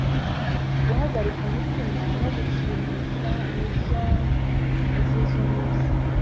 Guhagarika umutima no gushimishwa ninzozizumunsi